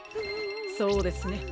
そうですね。